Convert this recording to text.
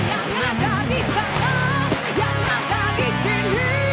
yang ada di sana yang ada di sini